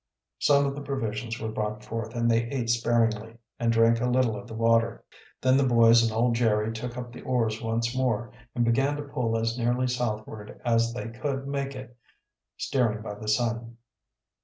Some of the provisions were brought forth and they ate sparingly, and drank a little of the water. Then the boys and old Jerry took up the oars once more and began to pull as nearly southward as they could make it, steering by the sun.